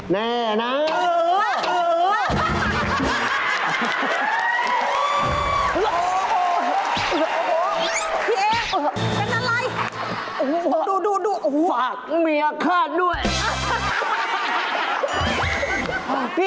ต้องกินก็ได้